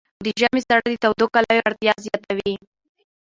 د ژمي ساړه د تودو کالیو اړتیا زیاتوي.